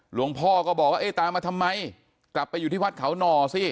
หลวงพ่อก็บอกว่าเอ๊ะตามมาทำไมกลับไปอยู่ที่วัดเขาหน่อสิ